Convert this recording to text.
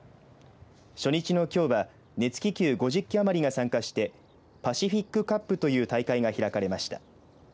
初日のきょうは熱気球５０機余りが参加してパシフィック・カップという大会が開かれました。